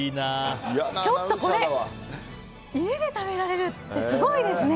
ちょっとこれ家で食べられるってすごいですね！